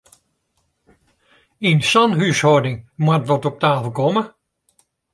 Yn sa'n húshâlding moat wat op 'e tafel komme!